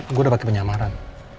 gw udah pake penyamaran